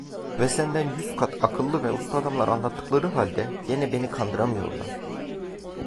Ve senden yüz kat akıllı ve usta adamlar anlattıkları halde, gene beni kandıramıyorlar.